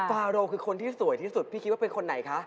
ฟาโรคือคนที่สวยที่สุดพี่คิดว่าเป็นคนไหนคะ